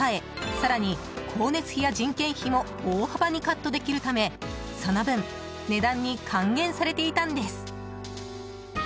更に光熱費や人件費も大幅にカットできるためその分値段に還元されていたんです。